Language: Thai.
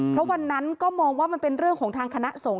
เพราะวันนั้นก็มองว่ามันเป็นเรื่องของทางคณะสงฆ